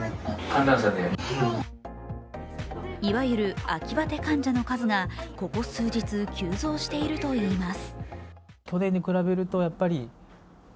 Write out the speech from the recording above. いわゆる秋バテ患者の数がここ数日、急増しているといいます。